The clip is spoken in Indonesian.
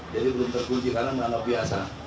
jadi belum terkunci karena menangkap biasa